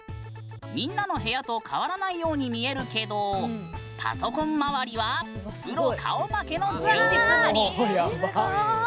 みんなの部屋と変わらないように見えるけどパソコン周りはプロ顔負けの充実ぶり！